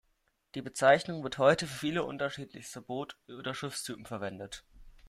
Die Bezeichnung wird heute für viele unterschiedliche Boots- oder Schiffstypen verwendet.